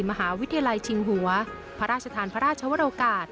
มหาวิทยาลัยชิงหัวพระราชทานพระราชวรกาศ